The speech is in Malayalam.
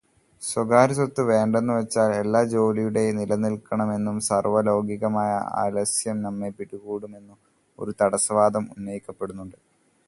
സ്വകാര്യസ്വത്ത് വേണ്ടെന്നുവച്ചാൽ എല്ലാ ജോലിയുടെ നിലയ്ക്കുമെന്നും സാർവ്വലൗകികമായ ആലസ്യം നമ്മെ പിടികൂടുമെന്നും ഒരു തടസ്സവാദം ഉന്നയിക്കപ്പെടുന്നുണ്ട്.